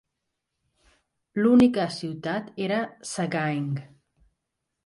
L'única ciutat era Sagaing.